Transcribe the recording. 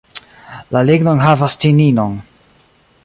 La ligno enhavas ĉininon.